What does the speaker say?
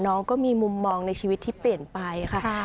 น้องก็มีมุมมองในชีวิตที่เปลี่ยนไปค่ะ